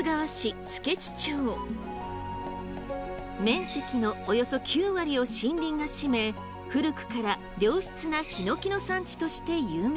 面積のおよそ９割を森林が占め古くから良質なヒノキの産地として有名です。